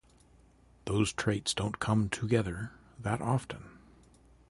Those traits don’t come together that often.